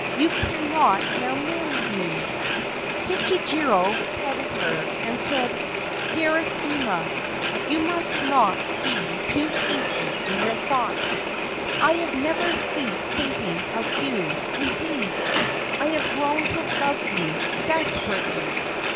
You cannot now marry me/ Kichijiro petted her, and said, c Dearest Ima, you must not be too hasty in your thoughts. I have never ceased thinking of you ; indeed, I have grown to love you desperately.